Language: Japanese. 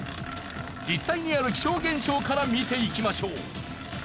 実際にある気象現象から見ていきましょう。